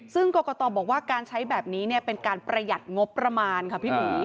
ซึ่งกรกตบอกว่าการใช้แบบนี้เป็นการประหยัดงบประมาณค่ะพี่อุ๋ย